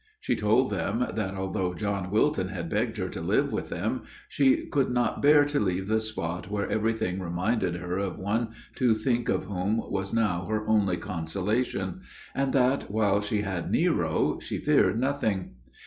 She told them that, although John Wilton had begged her to live with them, she could not bear to leave the spot where everything reminded her of one to think of whom was now her only consolation; and that, while she had Nero, she feared nothing.